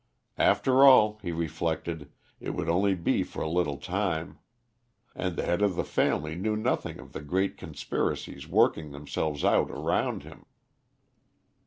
After all, he reflected, it would only be for a little time. And the head of the family knew nothing of the great conspiracies working themselves out around him.